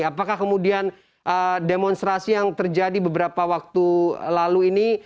apakah kemudian demonstrasi yang terjadi beberapa waktu lalu ini